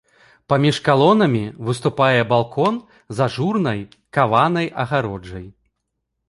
Паміж калонамі выступае балкон з ажурнай каванай агароджай.